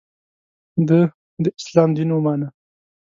د ه داسلام دین ومانه.